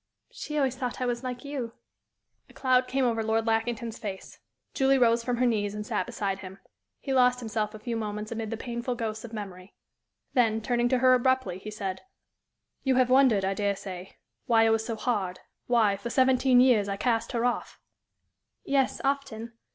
"She always thought I was like you." A cloud came over Lord Lackington's face. Julie rose from her knees and sat beside him. He lost himself a few moments amid the painful ghosts of memory. Then, turning to her abruptly, he said: "You have wondered, I dare say, why I was so hard why, for seventeen years, I cast her off?" "Yes, often.